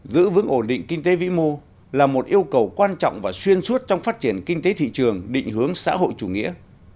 giữ vững ổn định kinh tế vĩ mô là một yêu cầu quan trọng và xuyên suốt trong phát triển kinh tế thị trường định hướng xã hội chủ nghĩa